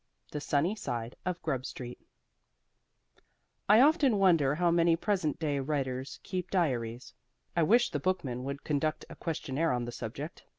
THE SUNNY SIDE OF GRUB STREET I often wonder how many present day writers keep diaries. I wish The Bookman would conduct a questionnaire on the subject.